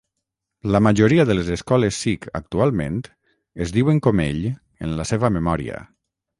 La majoria de les escoles Sikh actualment, es diuen com ell en la seva memòria.